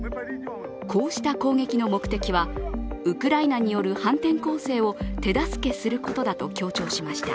こうした攻撃の目的はウクライナによる反転攻勢を手助けすることだと強調しました。